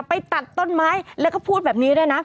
ไปตัดต้นไม้แล้วก็พูดแบบนี้ด้วยนะ